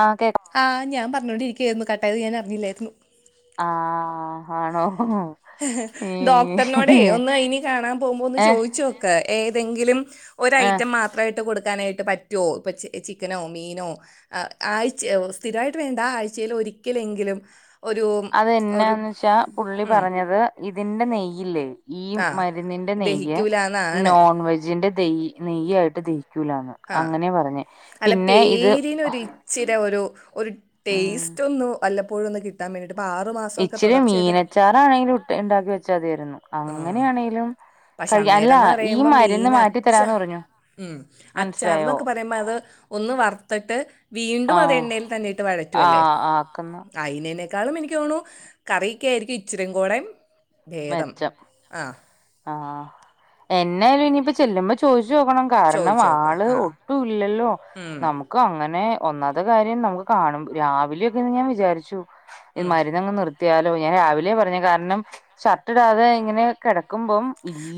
ആഓക്കെ ആ ഞാൻപറഞ്ഞോടിരിക്കയിരുന്നു, കട്ടായത് ഞാൻ അറിഞ്ഞില്ലായിരുന്നു. ആഹാ ആഹാ... ! ഡോക്ടറിനോടെ ഒന്ന് ഇനി കാണാൻ പോകുമ്പോ ഒന്ന് ഏഹ് ചോദിച്ചോ ക്ക് ഏതെങ്കിലും ഒരു ഏഹ് ഐറ്റം മാ പെഎയിട്ട് കൊടുക്കാനായിട്ട് പറ്റോ ഇപ്പൊ ചിക് ചിക്കനോ മീനോ ആഹ് ആഴ്ച സ്ഥിരമായിട്ട് വേണ്ട ആഴ്ചയിൽ ഒരിക്കലെങ്കിലും. ഒരും ഒരു അതെന്നാന്ന് വെച്ചാ പുള്ളി ഉം, പറഞ്ഞത് ഇതിന്റെ നെയ്യില്ലേ? ഈ ആ മരുന്നിന്റെ നെയ്യ്, ദഹിക്കൂല എന്നാണ് നോൺ വെജിന്റെ നെയ്യ് നെയ്യായിട്ട് തിരിക്കൂലാന്ന്. ആ അങ്ങനെ പറഞ്ഞെ. അല്ല പേരിനൊരു ഇച്ചിരെ ഒരു ഒരു ഉം ടേസ്റ്റ് ഒന്ന് വല്ലപ്പോഴൊന്ന് കിട്ടാൻ വേണ്ടിട്ട്. ആറു മാസം ഇച്ചിരി മീനച്ചാറാണെലും ഉണ്ടാക്കി വെച്ചാതെരുന്നു ആ അങ്ങാനാണേലും പക്ഷെ അന്നേരംന്ന് പറയുമ്പോ മീൻ അച്ചാ തരാന്ന് പറഞ്ഞു ഉം മനസ്സിലായോ അച്ചാർന്നൊക്കെ പറ അത് ഒന്ന് വറത്തട്ട് വീണ്ടുമത് ആഹ് എണ്ണയിൽ തന്നെയിട്ട് വഴറ്റുവല്ലേ ആഹ് ആഹ് അയിനേ നേക്കാളും എനികൊനോണു കറിയി ക്കെ ആയിരിക്കും ഇചിരേംകൊടേം മെച്ചം ആഹ് എന്നായാലും ഇനിയിപ്പെ ചെല്ലുമ്പോ ചോയിച്ചോക്കണം. കാരണം ചോദിച്ചു നോക്ക് ആള് ആ ഒട്ടൂല്ലല്ലോ ഉം, നമു ക്ക അങ്ങനെ ഒന്നാത്തെ കാര്യം നമുക്ക് കാണും രാവിലെയൊക്കെന്ന് ഞാൻ വിചാരിച്ചു. ഇത് ഉം. മരുന്നങ്ങ് നിർത്തിയാലോ ഞാൻ രാവിലെ പറഞ്ഞെ കാരണം ഷർട്ടിടാതെ എങ്ങനെ കെടെകുമ്പം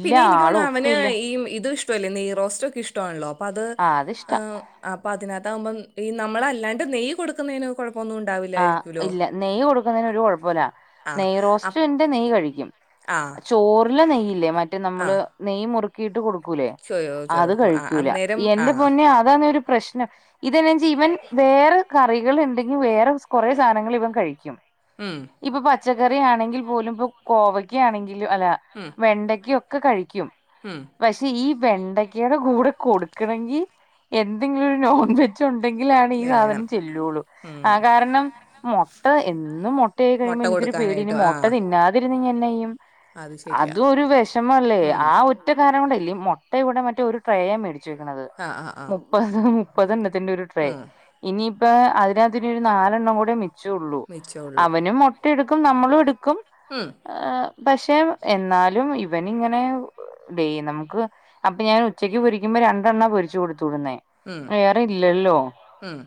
പിന്നെ എനിക്ക് തോനാണു അവന് ഈമ് ഇത് ഇഷ്ടല്ലേ നെയ്റോസ്റ്റൊക്കെ ഇഷ്ടവണല്ലോ അപ്പൊ അത് ആഹ് അതിഷ്ടാ മം അപ്പാ അതിന്നതാവുമ്പം ഈ നമ്മളല്ലാണ്ട് നെയ്യ് കൊടുക്കുന്നതിന് കൊഴ ഒന്നുണ്ടാവില്ല ആഹ് ഇല്ല നെയ്യ് കൊടുകുന്നെന്നു ഒരു കൊഴപ്പോല്ല ആ നെയ്യ് അപ്പ്- റോസ്റ്റ്ന്റെ നെയ്യ് കഴിക്കും ആ ചോർലെ നെയ്യില്ലെ മറ്റേ നമ്മള് ആ നെയ്യ് മുറുക്കിയിട്ട് കൊടുക്കൂലേ ചോയോ ചോറ് അത് കൊടുക്കും ആ കഴിക്കൂല, അന്നേരം ആ എന്റെ പൊന്നെ അതാന്നെ ഒരു പ്രശ്നം ഇതെന്നച്ചാ ഇവൻ വേറെ കറികള് ണ്ടെങ്കി വേറെ- സ് കൊറേ സാനങ്ങൾ ഇവം കഴിക്ക്യും. ഉം. കിപ്പൊ പച്ചക്കറി ആണെങ്കിൽ പോലും പ്പൊ കോവയ്ക്ക ആണെങ്കിലും അല്ല. ഉം വെണ്ടക്ക്യൊക്കെ കഴിക്ക്യും. ഉം പഷേ ഈ വെണ്ടക്കേടെ കൂടെ കൊടുക്കണെങ്കി എന്തെങ്കിലും ഒരു നോൺവെ ജുണ്ടങ്കിലാണ് ഈ വേണം സാധനം ചെല്ലുള്ളൂ. ഉം ആ കാരണം മൊട്ട എന്നും മൊട്ടയായി മുട്ട കഴിയുമ്പോ എനിക്കൊരു പേടി ഇനി കൊടുക്കാനായിട്ട് ആ മൊട്ട തിന്നാതിരുന്നാ ന്നാചെയ്യും അത് ശരിയാ അതു ഒര് വെഷമല്ലേ ഉം ആ ഒര റ്റ കാരണംകൊണ്ടാല്ലേ മൊട്ട ഇവ്ടെ മറ്റേ ഒര് ട്രേയാ മേടിച്ചു വെക്കണത് ആ ആ ആ മു. പ്പ മുപ്പതെണ്ണത്തിന്റെ ഒര് ട്രെ ഉം ഇനിയിപ്പ അതിനാത്ത് ഒരു രു നാലെണ്ണം കൂടെ മി ച്ചുള്ളൂ മിച്ചമുള്ളൂ അവനും മൊട്ട എടുക്കും നമ്മളും എടുക്കും. ഉം. ആഹ് പക്ഷേ എന്നാലും ഇവന് ങ്ങനെ ഡേ നമക്ക്. അപ്പ ഞാൻ ഉച്ചക്ക് പൊരിക്കുമ്പോ രണ്ടെണ്ണാ പൊരിച്ചു കൊടുത്തുടുന്നേ ഉം വേറെ ഇല്ലല്ലോ. ഉം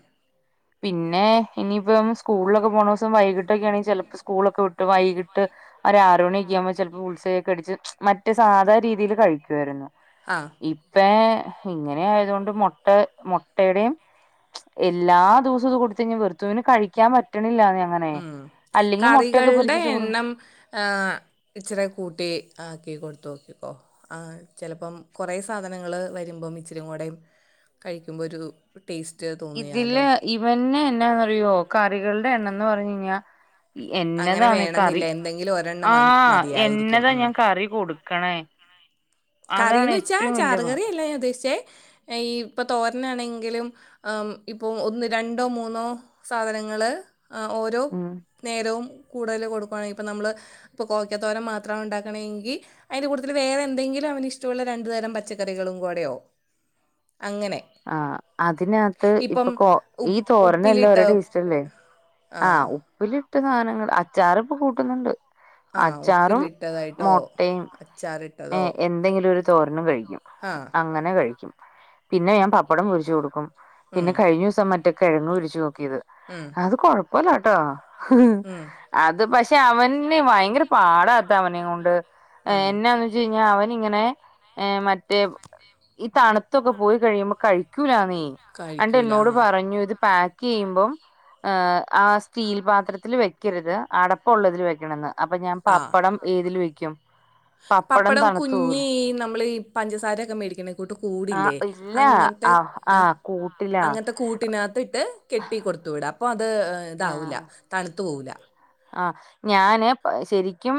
പിന്നേ ഇനിയിപ്പം സ്കൂൾലൊക്കെ പോണോസം വൈകിട്ടൊക്കെണെങ്കി ചെലപ്പോ സ്കൂളൊക്കെ വി ട്ട് വൈകിട്ട് ഒര് ആറ് മണിയൊക്കെ ആകുമ്പോ ചെലപ്പോ ബുൾസൈയൊക്കെ അടിച്ച് മറ്റെ സാധാരീതിയില് കഴിക്കുവാരുന്നു ആ ഇ ഇപ്പേ ഇങ്ങനെ ആയതൊണ്ട് മൊട്ട മൊട്ടടെം എല്ലാ ദിവസവുംത് കൊടുത്തഴിഞ്ഞാ വെറുത്തുപോവും കഴിക്കാൻ പറ്റണില്ലാന്നെ അങ്ങനെ ഉം അല്ലെങ്കി മുട്ടയൊക്കെ കറികള്ടെ പൊരിച്ച് ചോറ് എണ്ണം ഇച്ചിരി കൂട്ടി ആക്കി കൊടുത്ത് നോക്കിക്കോ ആ ചെലപ്പം കൊറെ സാധനങ്ങള് വര്മ്പം ഇച്ചിരിം കൂടെം കഴിക്കുമ്പോ ഒര് ഒര് ടെസ്റ്റ് തോ ഇതില് ഇവന് എന്നാന്നറിയോ കറികള്ടെ എണ്ണംന്ന് പറഞ് കഴിഞ്ഞാ അങ്ങനെ എന്നതാന്നെ വേണമെന്നില്ല കറി എന്തെങ്കിലും ഒരെണ്ണം ആ മ- മതിയായിരിക്കും എന്നതാ ഉം. ഞാൻ കറി കൊടുക്കണേ? അതാണ് കറീന്ന്ച്ചാ ഏറ്റവും വലിയ ചാറ്കറി പാട് അല്ല ഞാൻ ഉദ്ദേശിച്ചേ ഈ പ്പ തോരനാണെങ്കിലും ആ ഇപ്പൊ ഒന്ന് രണ്ടോ മൂന്നോ സാധനങ്ങള് ഓരോ ഉം നേരവും കൂട്തല് കൊടുക്കുവാണെങ്കി ഇപ്പ നമ്മള് ഇപ്പ കോവക്കത്തോരൻ മാത്രം ണ്ടാക്കണങ്കി അയിന്റെറ കൂട്ടത്തില് വേറെ എന്തെങ്കി ല്ലേ അവനിഷ്ട്ടഒള്ള രണ്ടു തരം പച്ചക്കറികളും കൂടെയോ അങ്ങനെ ആ അതിനാത്ത് ഇപ്പം ഇപ്പ കോ ഈ ഉപ്പ് തോരനെല്ലാ ഒര് ടേസ്റ്റ്ല്ലേ? ആഹ് ഉപ്പിലിട്ട സാനങ്ങള് അച്ചാറ് ഇപ്പ കൂട്ടുന്നുണ്ട് ആ അച്ചാറും മൊട്ടെ ച്ചാറ് ഏ എന്തെങ്കിലും ഒര് തോരനും കഴിക്കും ആ അങ്ങനെ കഴിക്കും പിന്നെ ഞാൻ പപ്പടം പൊരിച്ചു കൊടുക്കും ഉം പിന്നെ കഴിഞ്ഞൂസം മറ്റേ കിഴങ്ങ് പൊരിച്ച് നോക്കിയത് ഉം അത് കൊഴപ്പല്ലട്ടോ ഉം അത് പഷേ അവന് ഭയങ്കര പാടാ അവനെയും കൊണ്ട് ഉം എന്നാന്ന് വെച്ച കഴിഞ്ഞാൽ അവൻ ഇങ്ങനെ മറ്റേ ഈ തണുത്തൊക്കെ പോയി കഴിയുമ്പോ കഴിക്കൂലാന്നേ നീ അണ്ട് കഴിക്കൂല എന്നോട് ആഹ് പറഞ്ഞു ഇത് പാക്ക് ചെയ്യുമ്പം ആഹ് ആ സ്റ്റീൽ പാത്രത്തിൽ വെക്കരുത് അടപ്പുള്ളതിൽ വെക്കണെന്ന് അപ്പ ഞാൻ ആഹ് പപ്പടം ഏതില് വെക്കും? പപ്പടം തണുത്തു പോവൂലെ കുഞ്ഞ് ഈ നമ്മള്ഈ പഞ്ചസാരൊക്കെ മേടിക്കണ കൂട്ട് ആ കൂടില്ലേ ഇല്ല അങ്ങനത്തെ ആ ആ ആഹ് കൂട്ടിലാ അങ്ങനത്തെ കൂട്ടിനകത്ത് ഇട്ട് കെട്ടി കൊടുത്തു വിട് അപ്പൊ അത് ഇതാവൂല തണുത്തു പോവൂലാ ആഹ് ഞാന് ശെരിക്കും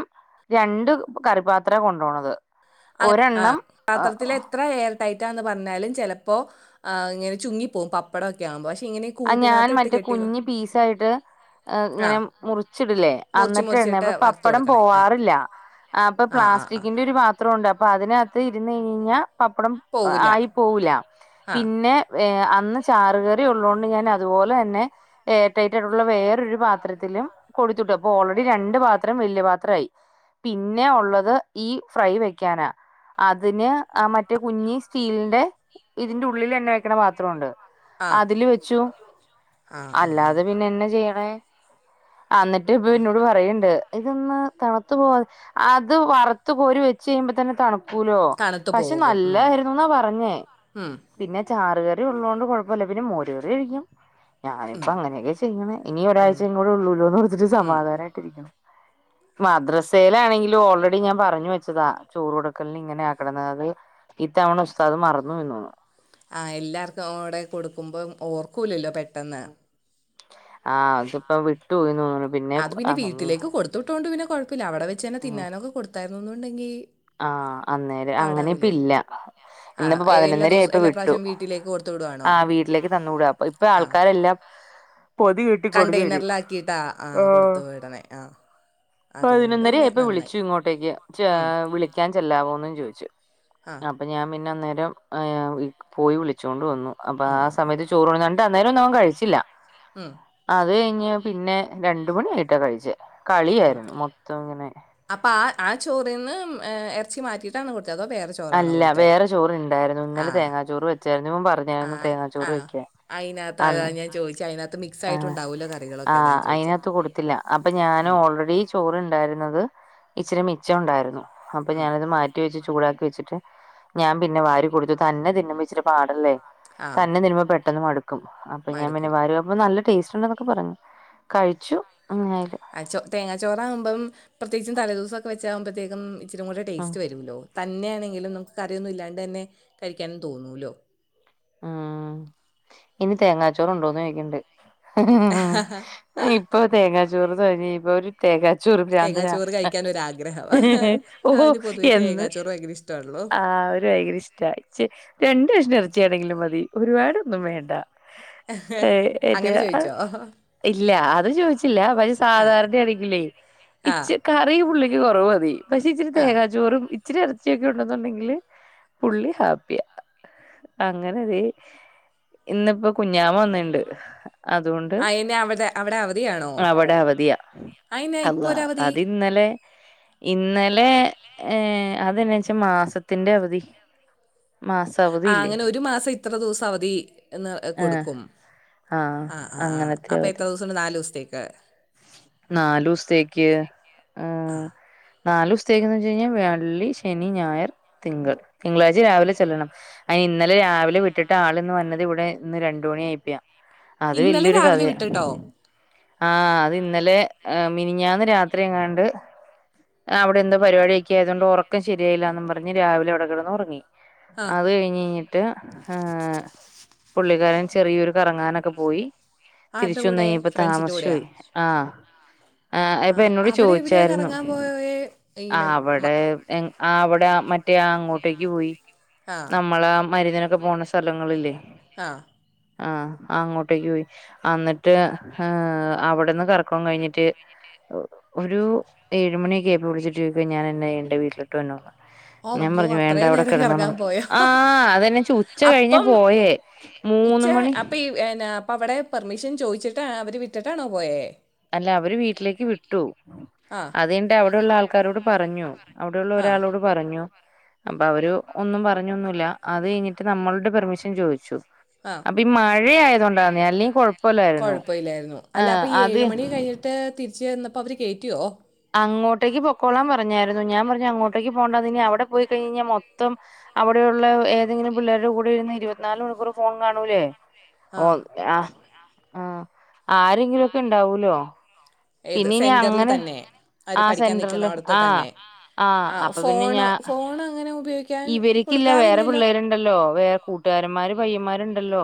രണ്ട് കറിപാത്ര കൊണ്ടോണത് ആഹ് ആഹ് ഒരെണ്ണം പാത്രത്തിലെ എത്ര എയ ടൈറ്റാന്ന് പറഞ്ഞാലും ചെലപ്പോ ഇങ്ങനെ ചുങ്ങിപ്പോ പപ്പടഒക്കെആവ്മ്പോ പഷേ ഇങ്ങനെ ആ ഞാൻ കൂട്ടിനകത്ത് ഇട്ട് മറ്റേ കെട്ടി കുഞ്ഞ് പീസായിട്ട് എർ ഇങ്ങനെ ആഹ് മുറിച്ചിടില്ലേ മുറിച്ച് അന്നിട്ടാട മുറിച്ചിട്ട് അപ്പൊ വറുത്ത് പപ്പടം കൊടുക്കണേ ആഹ് പോവാറില്ല ആ അപ്പൊ ആഹ് ആഹ് ആഹ് പ്ലാസ്റ്റിക്കിന്റെ ഒരു വാ പാത്രം ഉണ്ട് അപ്പൊ അതിനകത്ത് ഇരുന്ന് കഴിഞ്ഞാൽ പപ്പടം പോവൂല ആയി പോവില്ല ആഹ് പിന്നെ ഏഹ് അന്ന് ചാറുകറി ഉള്ളോണ്ട് ഞാൻ അതുപോലെ തന്നെ ഏഹ് ട്ടൈറ്റായിടുള്ള വേറൊരു പാത്രത്തിലും കൊടുത്തിട്ട് അപ്പൊ ഓൾറെഡി രണ്ട് പാത്രം വലിയ പാത്രമായി പിന്നെ ഉള്ളത് ഈ ഫ്രൈ വെക്കാനാ അതിന് ആ മറ്റേ കുഞ്ഞി സ്റ്റീലിന്റെ ഇതിന്റെ ഉള്ളിൽ തന്നെ വെക്കണ പാത്രൂം ഉണ്ട് ആഹ് അതില് വെച്ചു ആഹ് ആഹ് ആഹ് അല്ലാതെ പിന്നെന്നെ ചെയ്യണേ എന്നിട്ട് ഇപ്പൊ പിന്നോട് പറയണ്ട് ഇതൊന്ന് തണുത്തു പോ അത് വറുത്തു കോരി വെച്ച് കഴിയുമ്പോൾ തന്നെ തണുപ്പും ക്കൂലോ തണുത്തു പക്ഷെ പോകും ഉം നല്ലായിരുന്നു എന്നാ പറഞ്ഞേ ഉം പിന്നെ ചാറ് കറി ഉള്ളതുകൊണ്ട് കുഴപ്പമല്ല പിന്നെ മോര് കറി കഴിക്കും ഞാനിപ്പോ അങ്ങനെയൊക്കെ ചെയ്യണ ഇനി ഒരാഴ്ചയും കൂടെ ഉള്ളൂല്ലോ എന്ന് കൊടുത്തിട്ട് സമാധാനമായിട്ട് മദ്രസയിലണെങ്കിലും ഓൾറെഡി ഞാൻ പറഞ്ഞു വെച്ചതാ ചോറ്ട കല്ലിങ്ങനെ ആക്കടുന്ന അത് ഇത്തവനസ ഇത്തവണ ഉസ്താദ് പറഞ്ഞ്. ആ എല്ലാർക്കും അവിടെ കൊടുക്കുമ്പോം ഓർക്കൂല്ലല്ലോ പെട്ടെന്ന് ആഹ് അതിപ്പോ വിട്ടുപോയിന്ന് തോന്നുന്നു അത് പിന്നെ അവൻ വീട്ടിലേക്ക് കൊടുത്തട്ടോണ്ട് പിന്നെ കൊഴപ്പമില്ല അവിടെ വെച്ച് തന്നെ തിന്നാനൊക്കെ കൊടുത്ത [unintelligible] ത്തായിന്നുണ്ടെങ്കിൽ ആഹ അന്നേരം അങ്ങനെ ഇപ്പ ഇല്ല. ആഹ് ഇന്നിപ്പോ എല്ലാ പതിനൊന്നര ദിവസവും ആയപ്പ എല്ലാ വിട്ടു. പ്രാവശ്യം വീട്ടിലേക്ക് കൊടുത്തു വിടുവാണോ ആഹ് വീട്ടിലേക്ക് തന്നുവിട അപ്പ ഇപ്പൊ ആഹ് ആൾക്കാരെല്ലാം പൊതു കെട്ടി കൊടുന്ന് വരും കണ്ടെയ്നറിലാക്കിയിട്ടാ ആഹ് ആഹ കൊടുത്തു വിടണേ ആഹ് അതുകൊണ്ട് പിന്നെ പതിനൊന്നറായിപ്പൊ വിളിച്ചു നന്നായി ഇങ്ങോട്ടേക്ക് ഉം വിള [unintelligible] ക്കാൻ ചെല്ലാവോന്ന് ചോദിച്ചു. ആഹ് അപ്പോം ഞാൻ പിന്നെ അന്നേരം പോയി വിളിച്ചോണ്ട് വന്നു. അപ്പോം ആ സമയത്ത് [unintelligible] കണ്ട് അന്നേരം ഒന്നും അവൻ കഴിച്ചില്ല. ഉം അത് കഴിഞ്ഞ് പിന്നെ രണ്ട മണിയായിട്ടാ കഴിച്ചേ കളിയായിരുന്നു. മൊത്തം ഇങ്ങനെ അപ്പൊ ആ ആ ചോറിന്ന് ഇറച്ചി മാറ്റിയിട്ടാണ് കൊടുത്തത്തോ അതോ വേറെ ചോറാണോ അല്ല കൊടുത്തത് വേറെ ചോറ് ഇണ്ടായിരുന്നു. ഇന്നലെ തേങ്ങാ ചോറ് വെച്ചായിരുന്നു പറഞ്ഞു. ആഹ ആ അതിനകത്ത് അത അന്ന് ഞാൻ ചോദിച്ചു അതിനകത്ത് മി ആ ആ അയിതിനകത്ത് കൊടുത്തില്ല. അപ്പൊ ഞൻ ഓൾറെഡി ചോറണ്ടായിരുന്നത്. ഇച്ചിരി മിച്ചം ഉണ്ടായിരുന്നു. അപ്പൊ ഞാനത് മാറ്റി [unintelligible] വെച്ച് ചൂടാക്കി വെച്ചിട്ട് ഞാൻ പിന്നെ വാരി കൊടുത്തു. തന്നെ തിന്നുമ്പോ ഇച്ചിരിപാടല്ലേ. ആ തന്നെ തിന്നുമ്പോ പെട്ടെന്ന് മടുക്കും. അപ്പൊ ഞാൻ പിന്നെ മടുക്കും വാരി അപ്പൊ നല്ല ടേസ്റ്റ് ഉണ്ട എന്നൊക്കെ പറഞ്ഞു കഴിച്ചു. അങ്ങ [unintelligible] ആ ചോ തേങ്ങാചോറ ആവുമ്പോ പ്രത്യേകിച്ചും തലദിവസമൊക്കെ വെച്ചാമ്പഴത്തക്കും ഇച്ചരി കൂടെ ഉം ടേസ്റ്റ് വരുമല്ലോ തന്നെയാണെങ്കിലും നമുക്ക് കറിയൊന്നും ഇല്ലാണ്ട് തന്നെ കഴിക്കാനെന്ന് തോന്നൂല്ലോ? മ് ഇനി തേങ്ങാച്ചോറ ഉണ്ടോന്ന് ചോദിക്കണ്ട് [inaudible] ഇപ്പോ തേങ്ങാ ചോറ് [unintelligible] ചോറു പ്രരാന്തന തേങ്ങാച്ചോറ് കഴിക്കാനൊരാഗ്രഹം ഓഹ അവന് പൊതുവേ എന്ന്. തേങ്ങാച്ചോറ് ഭയങ്കര ഇഷ്ടമാണല്ലോ ആഹ ഒരു ഭയങ്കര ഇഷ്ട ച്ച രണ്ടു കഷണം ഇറച്ചിയാണെങ്കിലും മതി ഒരുപാടൊന്നും വേണ്ട. ഏ അങ്ങനെ ചോദിച്ചോ [unintelligible] ഇല്ല അത് ചോദിച്ചില്ല. പക്ഷ ആ സാധാരണയാണെങ്കിലേ ആ ഇച്ച കറി പുള്ളിക്ക് കുറവ് മതി. പക്ഷെ ഇച്ചിരി ആ തേങ്ങാ ചോറും ഇച്ചിരി ഇരച്ചിയൊക്കെ ഉണ്ടെന്നുണ്ടെങ്കില് പുള്ളി ഹാപ്പിയാ. അങ്ങനെ ദേ ഇന്നിപ്പോ കുഞ്ഞാമ വന്നിണ്ട്. അതുകൊണ്ട് ആ എന്നെ അവിടെ അവിടെ അവധിയാണോ അവിടെ അവധിയാ. അതിനാ ഇപ്പോൾ അള്ളാ ഒരവധി അത് ഇന്നലെ ഇന്നലെ ഏ അതെന്നാ വെച്ചാ മാസത്തിന്റെ അവധി. മാസ ആ അവധിയില്ലേ അങ്ങനെ ഒരു മാസം ഇത്ര ദിവസം അവധി. ഒന്ന് ആഹ് കൊടുക്കും ആഹ് ആ ആ ആ അപ്പം എത്ര ദിവസം ആണ് നാല് ദിവസത്തേക്ക്. നാലു ദിവസത്തേക്ക് ഉ ആ നാല് സ്തേക്ക് ന്ന് വെച്ച കഴിഞ്ഞാൽ വെള്ളി ശനി ഞായർ തിങ്കൾ തിങ്കളാഴ്ച രാവിലെ ചെല്ലണം. അന് ഇന്നലെ രാവിലെ വിട്ടിട്ട് ആൾ ഇന്ന് വന്നത് ഇവിടെ ഇന്ന് രണ്ടു മണി അയപ്പിയാ. അത് ഇന്നലെ വല്യരു രാവിലെ കഥയ വിട്ടുട്ടോ ആ അത് ഇന്നലെ മിനിഞ്ഞാന്ന് രാത്രി എങ്ങാണ്ട് ആ അവിടെ എന്ത പരിപാടിയക്ക കഴിക്കാ ആയതുകൊണ്ട് ഉറക്കം ശരിയായില്ല എന്ന് പറഞ്ഞു. രാവിലെ അവിടെ കിടന്നുറങ്ങി. ആ അത് കഴിഞ്ഞ് [unintelligible] പുള്ളിക്കാരൻ ചെറിയൊരു കറങ്ങാനൊക്കെ പോയി. ആരുടെ കൂടെ തിരിച്ചുവന്നേച്ചപ്പോ ഫ്രണ്ട്സിൻ്റെ കൂടെയാ താമസിച്ചുപോയി. ആ ആ അപ്പൊ എന്നോട് അവിടെ എവിടെയാ ചോയിച്ചായിരുന്നു കറങ്ങാൻ പോയേ ആ ഇങ്ങനെ അവിടെ മ- എങ്ങ് അവിടെ മറ്റേ അങ്ങോട്ടേക്ക് പോയി. ആ നമ്മളാ മരുന്നിനൊക്കെ പോണ സ്ഥലങ്ങളില്ലേ ആ ആ അങ്ങോട്ടേക്ക് പോയി അന്നിട്ട് ഹേം അവിടുന്ന് കറക്കോം കഴിഞ്ഞിട്ട് ഒരു ഏഴുമണിക്ക്യായപ്പൊ വിളിച്ചിട്ട് ചോയ്ക്ക ഞാനെന്നയ്യണ്ട വീട്ടിലോട്ട് വര്നോന്ന് ഞാൻ അല്ലോ പറഞ്ഞു വേണ്ട അത്രയും അവിടെ നേരം കിടന്നോള കറങ്ങാൻ പോയോ ആ അതൊക്കെ ആഹ് അതെന്നെ ഉച്ച കഴിഞ്ഞ അപ്പം പോയെ ഉച്ച അപ്പൊ ഈ എന്ന അപ്പ അവിടെ പെർമിഷൻ ചോയിച്ചിട്ട് അവര് വിട്ടിട്ടാണോ പോയേ അല്ല അവര് വീട്ടിലേക്ക് വിട്ടു ആ അത് കഴിഞ്ഞിട്ട് അവിടെയുള്ള ആൾക്കാരോട് പറഞ്ഞു അവിടെയുള്ള ആ ഒരാളോട് പറഞ്ഞു അപ്പൊ അവര് ഒന്നും പറഞ്ഞൊന്നുല്ല അത് കഴിഞ്ഞിട്ട് നമ്മളുടെ പെർമിഷൻ ചോദിച്ചു ആഹ് അപ്പൊ ഈ മഴ ആയതോണ്ടാന്നെ അല്ലെങ്കി കൊഴപ്പല്ലായിരുന്നു ഏ അത് ത്ത് തിരിച്ച് വന്നപ്പോ അവര് കേറ്റിയോ അങ്ങോട്ടേക്ക് പൊക്കോളാൻ പറഞ്ഞായിരുന്നു ഞാൻ പറഞ്ഞു അങ്ങോട്ടേക്ക് പോണ്ടാന്ന് ഞ്ഞി അവിടെ പോയി കഴിഞ്ഞേഞ്ഞ മൊത്തം അവിടെയുള്ള ഏതെങ്കിലും പിള്ളേരുടെ കൂടെ ഇരുന്ന് ഇരുപതിനാലു മണിക്കൂറും ഫോണ് കാണൂലെ. ഓ ആഹ് അ ആ ആരെങ്കിലൊക്കെ ഇണ്ടാവുല്ലോ. ഏത് പിന്നെ ഇനി സെന്ററിൽ അങ്ങനെ തന്നെ അവര് ആ പഠിക്കാൻ നിക്കണ സെന്ററില് അവിടുത്തെ ആ തന്നെ ആ ആഹ് അപ്പൊ പിന്നെ ഫോണ് ഞാ ഫോൺ അങ്ങനെ ഉപയോഗിക്കാൻ ഇവർക്കില്ല വേറെ കൊടുക്കാറില്ലല്ലോ പിള്ളേരു ഉണ്ടല്ലോ വേ കൂട്ടുകാരന്മാര് പയ്യന്മാരുണ്ടല്ലോ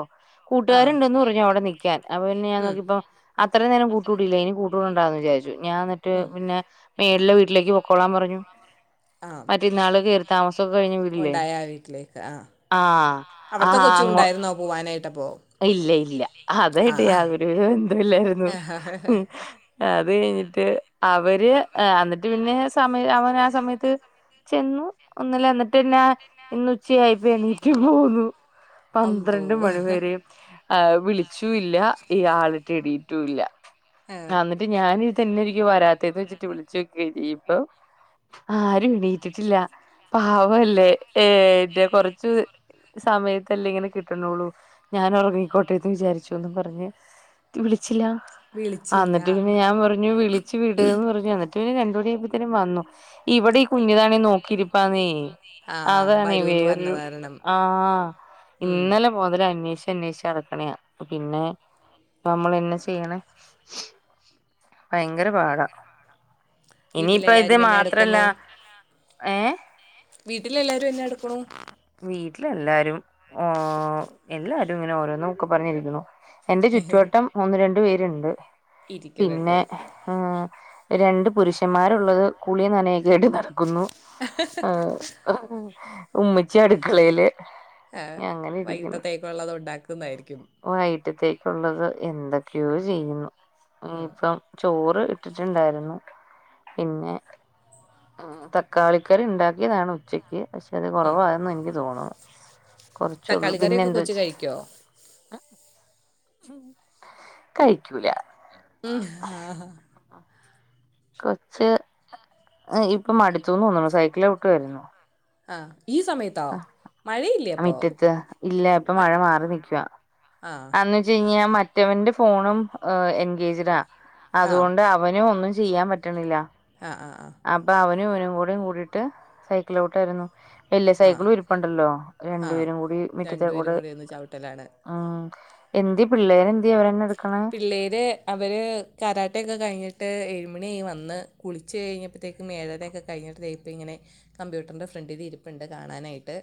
കൂട്ടുകാർ ആഹ് ഉണ്ടെന്നു പറഞ്ഞു അവിടെ നിൽക്കാൻ അപ്പൊ പിന്നെ ഞാൻ ഉം നോക്കിയപ്പോ അത്രയും നേരം കൂട്ടുകൂടിയില്ലേ ഇനി കൂട്ടുകൂടണ്ടാന്ന് വിചാരിച്ചു. ഞാൻ ഇന്നട്ട് പിന്നെ മേളിലെ വീട്ടിലേക്ക് പൊക്കോളാൻ പറഞ്ഞു. ആഹ് മറ്റന്നാള് കയറി താമസം ഉണ്ടായ വീട്ടിലേക്ക് ആ ആഹ് അവിടത്തെ ആഹ് കൊച്ചു അങ്ങോ ഉണ്ടായിരുന്നോ പോവാനായിട്ടപ്പോ ഇല്ല ഇല്ല അതും ആയിട്ട് യാതൊരുവിധ ഇല്ല ബന്ധവുമില്ലായിരുന്നു. ആഹ് അത് കഴിഞ്ഞിട്ട് അവര് എന്നിട്ട് പിന്നെ സമയ അവന് ആ സമയത്ത് ചെന്നു ഒന്നില്ല എന്നിട്ട്ന്നെ ഇന്ന് ഉച്ചയായിപ്പോ എണീറ്റ് പോന്നു അള്ളോ പന്ത്രണ്ട് മണി വരെ. ആ വിളിച്ചൂല്ല ഇയാളെറ്റെ എണീറ്റുല്ല ആ ആഹ് ഇന്നട്ട് ഞാൻ തന്നെരിക്കും വരാത്തെന്ന് വെച്ചിട്ട് വിളിച്ചു നോക്കേനി ഇപ്പൊ ആരും എണീറ്റിട്ടില്ല പാവല്ലേ എന്റെ കുറച്ചുസമയത്ത് അല്ലേ ഇങ്ങനെ കിട്ടു കന്നോള്ളൂ ഞാൻ ഉറങ്ങിക്കോട്ടെ എന്ന് വിചാരിച്ചു എന്ന് പറഞ്ഞു. വിളിച്ചില്ല ആ വിളിച്ചില്ല ഇന്നട്ട് പിന്നെ ഞാൻ പറഞ്ഞു വിളിച്ചു വിട്ന്ന് പറഞ്ഞു എന്നി ത്തിന് പിന്നെ രണ്ടു മണി ആയപ്പത്തിനും വന്നു ഇവിടെ ഈ കുഞ്ഞിനെ ആണെങ്കി നോക്കിയിരിപ് ന്നെ ആഹ് അതാണ് വരൂന്ന് പറഞ്ഞ വേറൊരു കാരണം ആ ഉം ഇന്നലെ. മുതല് അന്വേഷിച്ച് അന്വേഷിച്ച് നടക്കണേ പിന്നെ നമ്മൾ എന്നെ ചെയ്യണ. ഭയങ്കര പാടാ ഇനിയിപ്പ ഇത് വീട്ടിലെല്ലാരും എന്നാ മാത്രല്ല എടുക്കുന്നു ഏഹ് വീട്ടിലല്ലാരും എന്നാ എടുക്കുണു വീട്ടിലല്ലാരും ഓം എല്ലാരു ഇങ്ങനെ ഓരോന്ന് ഒക്കെ പറഞ്ഞിരിക്കുണു എന്റെ ചുറ്റുവട്ടം ഒന്ന് രണ്ടു പേരുണ്ട് ഇരിക്കുന്നുണ്ട് പിന്നെ ഉം രണ്ട് പുരുഷന്മാരുള്ളത് കുളി നനയകായിട്ട് നടക്കുന്നു ഏ ഉമ്മ ഏ വൈകിട്ടത്തേക്കള്ളത് ഉണ്ടാക്കുന്നായിരിക്കും വൈട്ടത്തേക്കുള്ളത് എന്തൊക്കെയോ ചെയ്യുന്നു ഉം ഇപ്പം ചോറ് ഇട്ടിട്ടുണ്ടായിരുന്നു പിന്നെ ത ക്കാളിക്കറി ഉണ്ടാക്കിയതാണ് ഉച്ചക്ക് പക്ഷെ അത് ഉം കുറവായന്ന് എനിക്ക് തോന്നും കൊർ ചള്ളൂ തക്കാളി പിന്നെ കറിയൊക്കെ കൊച്ച് എന്തുച്ച് കഴിക്കോ കഴിക്കൂല ഉം ഹാ ഹ കൊച്ച് ഇപ്പം മടിച്ചുന്ന് തോന്ന്ണു സൈക്കിള് ചവിട്ട്യാരുന്നു ആ ഈ സമയത് അ അ മിറ്റത്ത് ഇല്ല ഇപ്പൊ മഴ മാറി നിക്കുവാ ആഹ് അന്ന്ച്ചിഞ്ഞാൽ മറ്റ റ്റവന്റെ ഫോണും എൻഗേജഡാ ആഹ് അതുകൊണ്ട് അവനും ഒന്നും ചെയ്യാൻ പറ്റണില്ല ആഹ് ആഹ് ആഹ് അപ്പൊ അവനും അവനും കൂടെയും കൂടിട്ട് സൈക്കിളിലോട്ടായിരുന്നു എല്ലേ ആഹ് സൈക്കിള് ഇരിപ്പണ്ടല്ലോ ആഹ് രണ്ടുപേരും കൂടി രണ്ടുപേരും മുറ്റത്തേക്കൂടെ കൂടി ഒന്ന് ചവിട്ടലാണ് ഉം എന്ത്യേ പിള്ളേരെന്ത്യെ അവരന്നെ എടുക്കണ പിള്ളേർ അവർ കരാട്ടയൊക്കെ കഴിഞ്ഞിട്ട് എഴിമണിയായി വന്ന് കുളിച്ച കഴിഞ്ഞപ്പോഴത്തേ [unintelligible] കഴഞ്ഞട്ട് ഇപ്പൾ ഇങ്ങനെ കമ്പ്യൂട്ടറിന്റെ ഫ്രണ്ടിൽ ഇരിപ്പ്ണ്ട് കാണാനായിട്ട്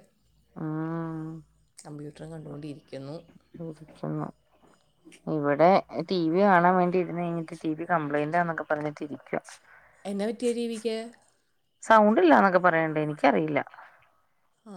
ആഹ കമ്പ്യൂട്ടറും കണ്ടുകൊണ്ടിരിക്കുന്നു [unintelligible] ഇവിടെ ടി വി കാണാൻ വേണ്ടിയിരുന്ന് കഴിഞ്ഞിട്ട് ടി വി കംപ്ലയിന്റ്ന്നൊക്കെ പറഞ്ഞിട്ടിരിക്കും എന്താ പറ്റിയ ടീവിക്ക് സൗണ്ട്ല്ലന്നൊക്കെ പറയണ്ട എനിക്കറിയില്ല